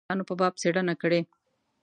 کندهار یوه ځوان د پایلوچانو په باب څیړنه کړې.